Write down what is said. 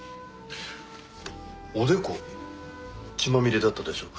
おでこ血まみれだったでしょ？